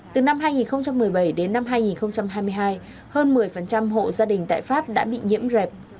từ năm hai nghìn một mươi bảy đến năm hai nghìn hai mươi hai hơn một mươi hộ gia đình tại pháp đã bị nhiễm dẹp